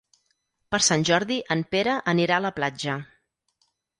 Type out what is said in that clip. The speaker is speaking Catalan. Per Sant Jordi en Pere anirà a la platja.